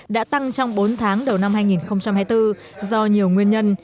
đã tăng trong bốn tháng đầu năm hai nghìn hai mươi bốn do nhiều nguyên nhân